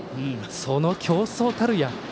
その競争たるや。